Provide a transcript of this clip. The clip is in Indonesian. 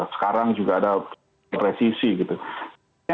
sekarang juga ada presisi gitu